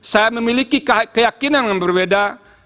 saya memiliki keyakinan yang berbeda